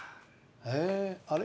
へえあれ？